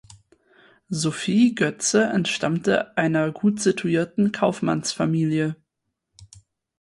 Sofie Götze entstammte einer gutsituierten Kaufmannsfamilie.